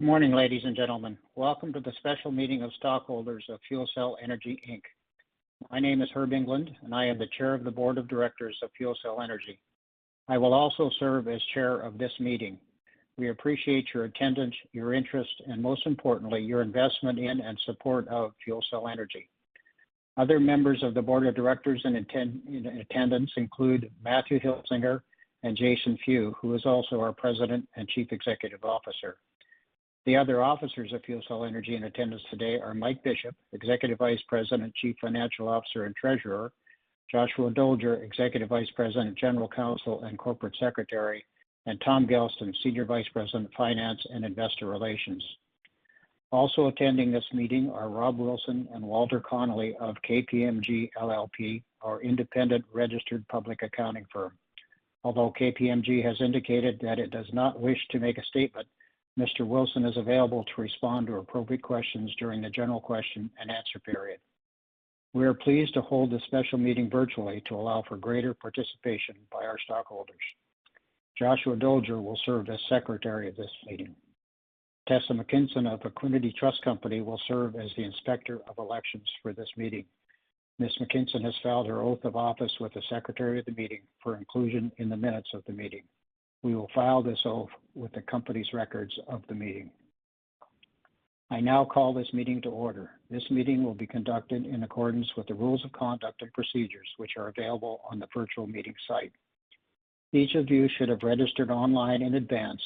Good morning, ladies and gentlemen. Welcome to the special meeting of stockholders of FuelCell Energy, Inc. My name is Herb England, and I am the Chair of the board of directors of FuelCell Energy. I will also serve as Chair of this meeting. We appreciate your attendance, your interest, and most importantly, your investment in and support of FuelCell Energy. Other members of the board of directors in attendance include Matthew Hilzinger and Jason Few, who is also our President and Chief Executive Officer. The other officers of FuelCell Energy in attendance today are Mike Bishop, Executive Vice President, Chief Financial Officer and Treasurer, Joshua Dolder, Executive Vice President, General Counsel and Corporate Secretary, and Tom Gelston, Senior Vice President, Finance and Investor Relations. Also attending this meeting are Rob Wilson and Walter Connolly of KPMG LLP, our independent registered public accounting firm. Although KPMG has indicated that it does not wish to make a statement, Mr. Wilson is available to respond to appropriate questions during the general question and answer period. We are pleased to hold this special meeting virtually to allow for greater participation by our stockholders. Joshua Dolger will serve as secretary of this meeting. Tessa McKinson of Equiniti Trust Company will serve as the inspector of elections for this meeting. Ms. McKinson has filed her oath of office with the secretary of the meeting for inclusion in the minutes of the meeting. We will file this oath with the company's records of the meeting. I now call this meeting to order. This meeting will be conducted in accordance with the rules of conduct and procedures which are available on the virtual meeting site. Each of you should have registered online in advance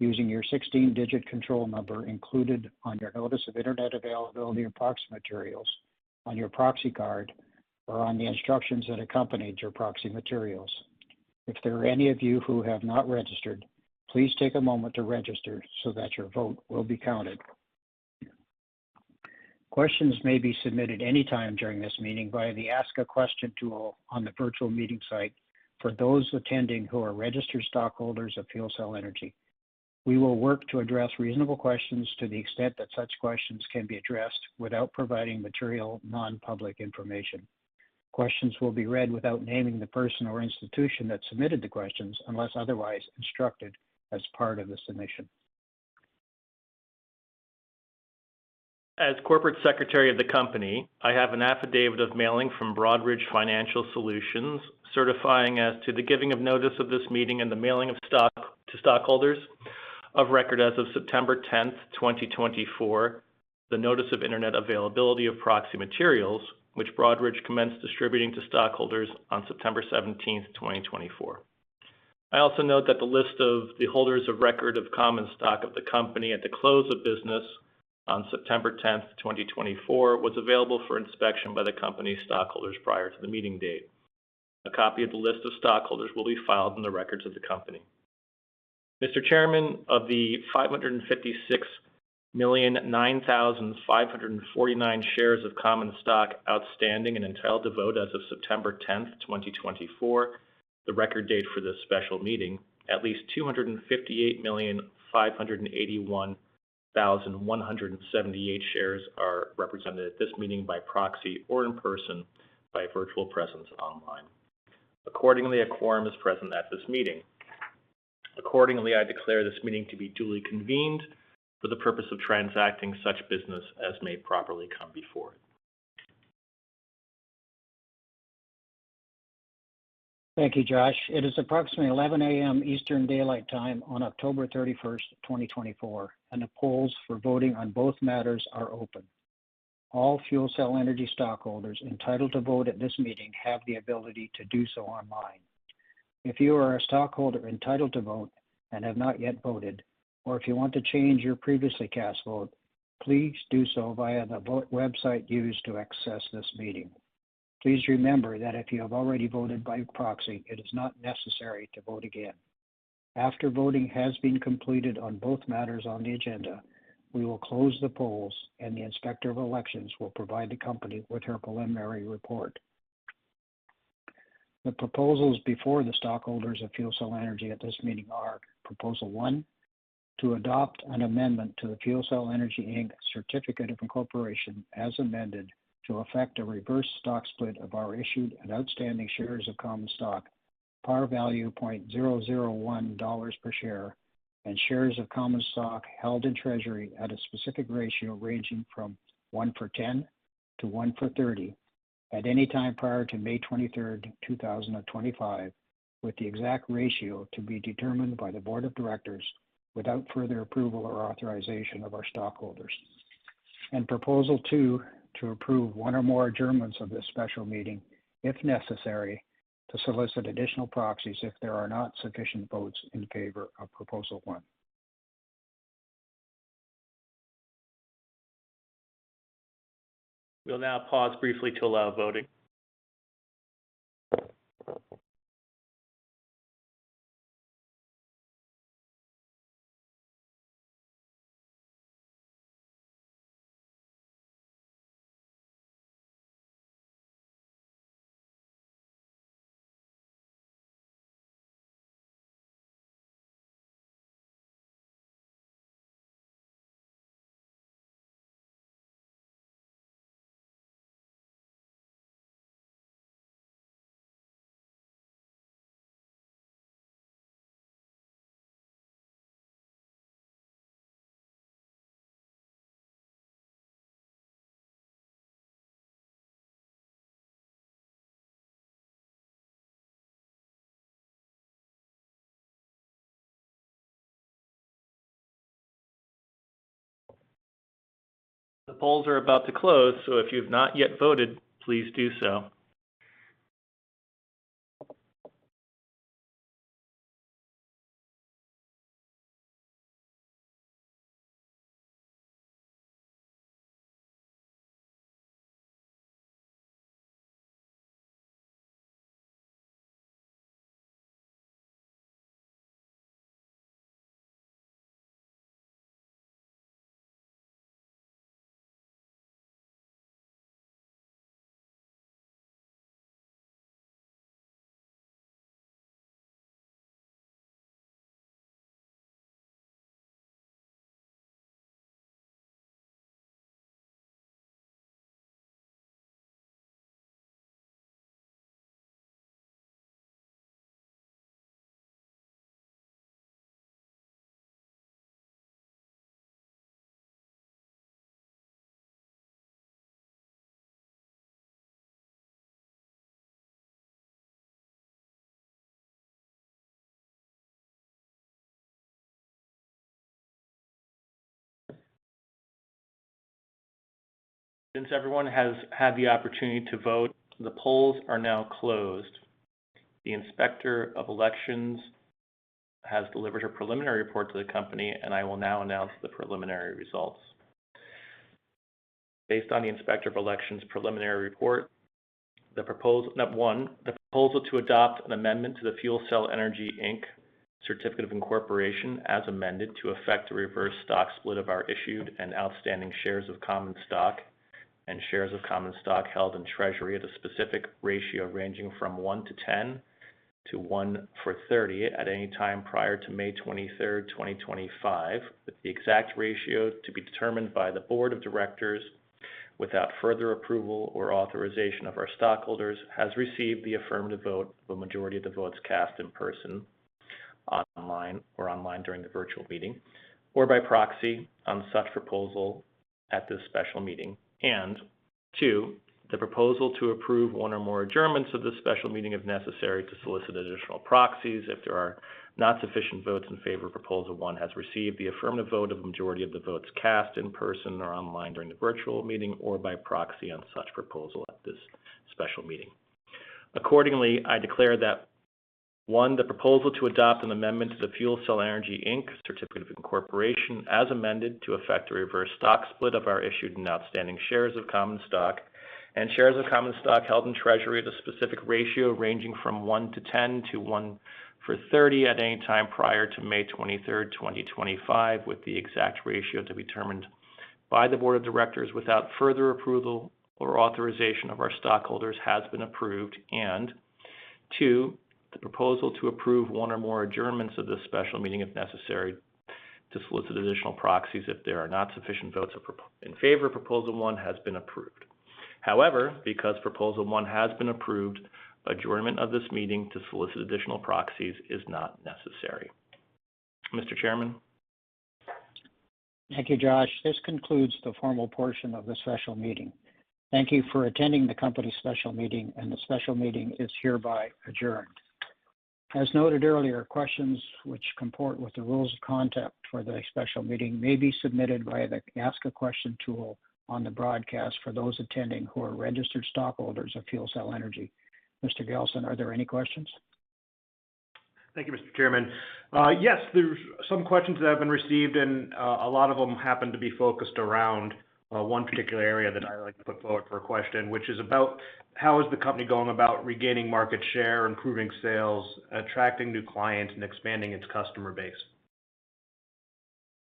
using your 16-digit control number included on your Notice of Internet Availability or proxy materials, on your proxy card, or on the instructions that accompanied your proxy materials. If there are any of you who have not registered, please take a moment to register so that your vote will be counted. Questions may be submitted anytime during this meeting via the Ask a Question tool on the virtual meeting site for those attending who are registered stockholders of FuelCell Energy. We will work to address reasonable questions to the extent that such questions can be addressed without providing material non-public information. Questions will be read without naming the person or institution that submitted the questions unless otherwise instructed as part of the submission. As Corporate Secretary of the company, I have an affidavit of mailing from Broadridge Financial Solutions certifying as to the giving of notice of this meeting and the mailing of proxies to stockholders of record as of September 10, 2024, the notice of internet availability of proxy materials which Broadridge commenced distributing to stockholders on September 17, 2024. I also note that the list of the holders of record of common stock of the company at the close of business on September 10, 2024, was available for inspection by the company's stockholders prior to the meeting date. A copy of the list of stockholders will be filed in the records of the company. Mr. Chairman, of the 556,009,549 shares of common stock outstanding and entitled to vote as of September 10, 2024, the record date for this special meeting, at least 258,581,178 shares are represented at this meeting by proxy or in person by virtual presence online. Accordingly, a quorum is present at this meeting. Accordingly, I declare this meeting to be duly convened for the purpose of transacting such business as may properly come before it. Thank you, Josh. It is approximately 11:00 A.M. Eastern Daylight Time on October 31, 2024, and the polls for voting on both matters are open. All FuelCell Energy stockholders entitled to vote at this meeting have the ability to do so online. If you are a stockholder entitled to vote and have not yet voted, or if you want to change your previously cast vote, please do so via the vote website used to access this meeting. Please remember that if you have already voted by proxy, it is not necessary to vote again. After voting has been completed on both matters on the agenda, we will close the polls, and the inspector of elections will provide the company with her preliminary report. The proposals before the stockholders of FuelCell Energy at this meeting are: Proposal One, to adopt an amendment to the FuelCell Energy, Inc. Certificate of incorporation as amended to effect a reverse stock split of our issued and outstanding shares of common stock, par value $0.001 per share, and shares of common stock held in treasury at a specific ratio ranging from 1-for-10 to 1-for-30 at any time prior to May 23, 2025, with the exact ratio to be determined by the board of directors without further approval or authorization of our stockholders and Proposal Two, to approve one or more adjournments of this special meeting if necessary to solicit additional proxies if there are not sufficient votes in favor of Proposal One. We'll now pause briefly to allow voting. The polls are about to close, so if you have not yet voted, please do so. Since everyone has had the opportunity to vote, the polls are now closed. The inspector of elections has delivered her preliminary report to the company, and I will now announce the preliminary results. Based on the inspector of elections' preliminary report, Proposal 1, the proposal to adopt an amendment to the FuelCell Energy, Inc. Certificate of incorporation as amended to effect a reverse stock split of our issued and outstanding shares of common stock and shares of common stock held in treasury at a specific ratio ranging from 1-for-10 to 1-for-30 at any time prior to May 23, 2025, with the exact ratio to be determined by the board of directors without further approval or authorization of our stockholders has received the affirmative vote of a majority of the votes cast in person or online during the virtual meeting, or by proxy on such proposal at this special meeting. Two, the proposal to approve one or more adjournments of this special meeting if necessary to solicit additional proxies if there are not sufficient votes in favor of Proposal One has received the affirmative vote of a majority of the votes cast in person or online during the virtual meeting or by proxy on such proposal at this special meeting. Accordingly, I declare that One, the proposal to adopt an amendment to the FuelCell Energy, Inc. Certificate of Incorporation, as amended to effect a reverse stock split of our issued and outstanding shares of common stock and shares of common stock held in treasury at a specific ratio ranging from 1-for-10 to 1-for-30 at any time prior to May 23, 2025, with the exact ratio to be determined by the board of directors without further approval or authorization of our stockholders has been approved. Two, the proposal to approve one or more adjournments of this special meeting, if necessary, to solicit additional proxies if there are not sufficient votes in favor of Proposal One has been approved. However, because Proposal One has been approved, adjournment of this meeting to solicit additional proxies is not necessary. Mr. Chairman. Thank you, Josh. This concludes the formal portion of the special meeting. Thank you for attending the company's special meeting, and the special meeting is hereby adjourned. As noted earlier, questions which comport with the rules of conduct for the special meeting may be submitted via the Ask a Question tool on the broadcast for those attending who are registered stockholders of FuelCell Energy. Mr. Gelston, are there any questions? Thank you, Mr. Chairman. Yes, there's some questions that have been received, and a lot of them happen to be focused around one particular area that I like to put forward for a question, which is about how is the company going about regaining market share, improving sales, attracting new clients, and expanding its customer base?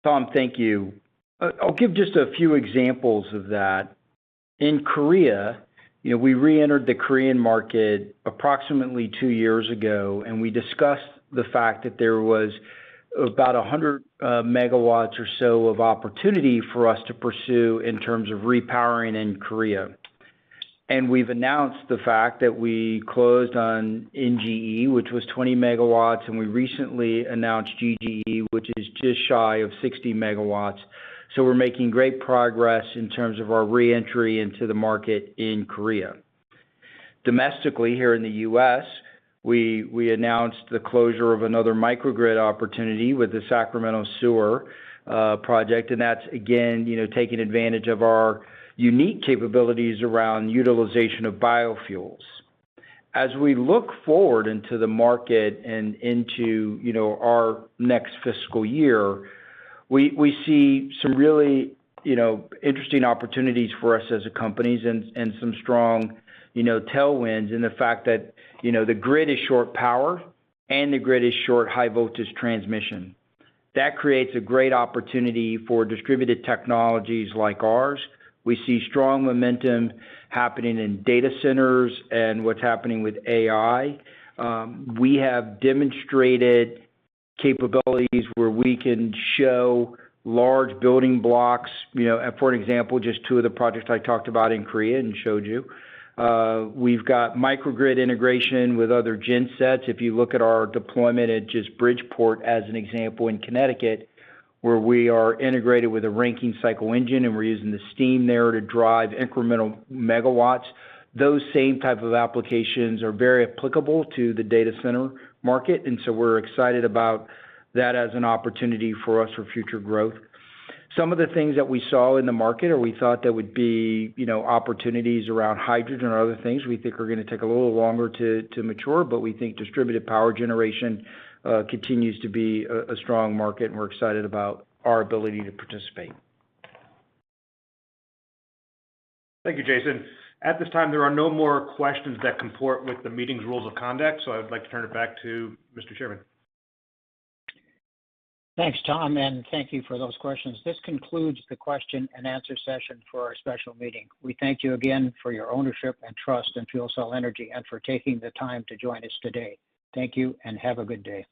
Tom, thank you. I'll give just a few examples of that. In Korea, we re-entered the Korean market approximately two years ago, and we discussed the fact that there was about 100 megawatts or so of opportunity for us to pursue in terms of repowering in Korea, and we've announced the fact that we closed on NGE, which was 20 megawatts, and we recently announced GGE, which is just shy of 60 megawatts, so we're making great progress in terms of our re-entry into the market in Korea. Domestically here in the US, we announced the closure of another microgrid opportunity with the Sacramento Sewer project, and that's again taking advantage of our unique capabilities around utilization of biofuels. As we look forward into the market and into our next fiscal year, we see some really interesting opportunities for us as a company and some strong tailwinds in the fact that the grid is short power and the grid is short high-voltage transmission. That creates a great opportunity for distributed technologies like ours. We see strong momentum happening in data centers and what's happening with AI. We have demonstrated capabilities where we can show large building blocks. For example, just two of the projects I talked about in Korea and showed you. We've got microgrid integration with other gensets. If you look at our deployment at just Bridgeport as an example in Connecticut, where we are integrated with a Rankine cycle engine and we're using the steam there to drive incremental megawatts. Those same type of applications are very applicable to the data center market, and so we're excited about that as an opportunity for us for future growth. Some of the things that we saw in the market or we thought that would be opportunities around hydrogen or other things we think are going to take a little longer to mature, but we think distributed power generation continues to be a strong market, and we're excited about our ability to participate. Thank you, Jason. At this time, there are no more questions that comport with the meeting's rules of conduct, so I would like to turn it back to Mr. Chairman. Thanks, Tom, and thank you for those questions. This concludes the question and answer session for our special meeting. We thank you again for your ownership and trust in FuelCell Energy and for taking the time to join us today. Thank you and have a good day.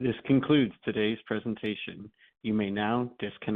This concludes today's presentation. You may now disconnect.